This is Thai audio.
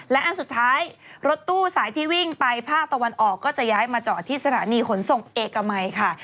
และอันสุดท้ายรถตู้สายที่วิ่งไปภาคตะวันออกก็จะย้ายมาจอดที่สถานีขนส่งเอกมัยค่ะ